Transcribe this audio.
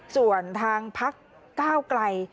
ส่วนทางพักก้าวไกล